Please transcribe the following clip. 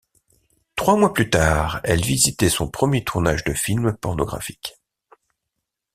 Trois mois plus tard, elle visitait son premier tournage de film pornographique.